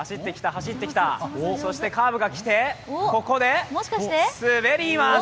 そしてカーブが来てここで滑ります。